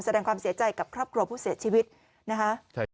แสดงความเสียใจกับครอบครัวผู้เสียชีวิตนะคะ